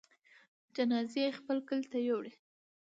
جنازه يې خپل کلي ته يووړه.